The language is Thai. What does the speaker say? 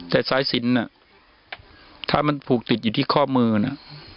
แต่สายสินถ้ามันผูกติดอยู่ที่ข้อมือน่ะ